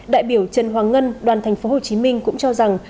đại biểu trần hoàng ngân đoàn thành phố hồ chí minh cũng cho rằng